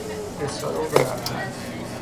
اصرار او به رفتن